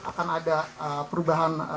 akan ada perubahan